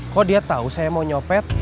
kok dia tahu saya mau nyopet